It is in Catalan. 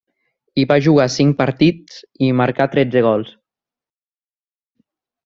Hi va jugar cinc partits, i hi marcà tretze gols.